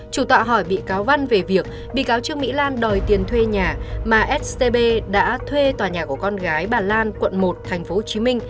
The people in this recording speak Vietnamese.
chủ tọa hỏi bị cáo văn về việc bị cáo trương mỹ lan đòi tiền thuê nhà mà scb đã thuê tòa nhà của con gái bà lan quận một tp hcm